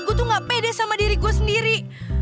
gue tuh gak pede sama diri gue sendiri